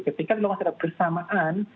ketika di luar sana bersamaan